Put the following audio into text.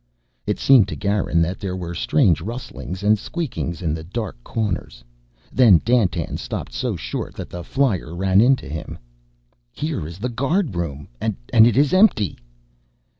It seemed to Garin that there were strange rustlings and squeakings in the dark corners. Then Dandtan stopped so short that the flyer ran into him. "Here is the guard room and it is empty!"